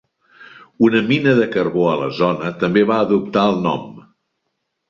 Un mina de carbó a la zona també va adoptar el nom.